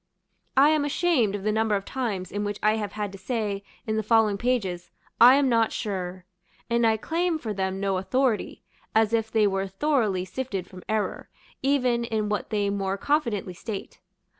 I am ashamed of the number of times in which I have had to say, in the following pages, "I am not sure," and I claim for them no authority, as if they were thoroughly sifted from error, even in what they more confidently state.